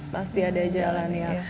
pasti ada jalan ya